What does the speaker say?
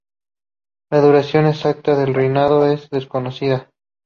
La duración exacta de reinado es desconocida.